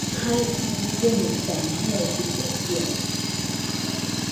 Jae illemo dama uiadɨkue iade.